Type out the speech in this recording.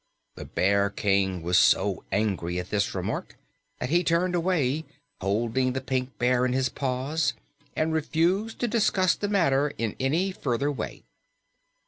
The Bear King was so angry at this remark that he turned away, holding the Pink Bear in his paws, and refused to discuss the matter in any further way.